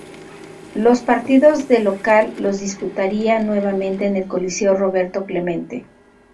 Los partidos de local los disputaría nuevamente en el Coliseo Roberto Clemente.